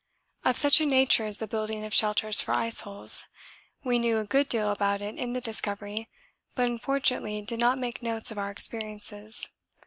Of such a nature is the building of shelters for iceholes. We knew a good deal about it in the Discovery, but unfortunately did not make notes of our experiences.